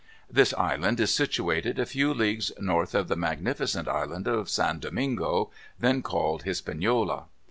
This island is situated a few leagues north of the magnificent Island of San Domingo, then called Hispaniola.